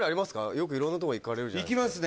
よくいろんなとこ行かれるじゃないですか。